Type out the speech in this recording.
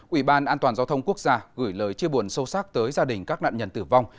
ubnd quốc gia gửi lời chia buồn sâu sắc tới gia đình các nạn nhân tử vong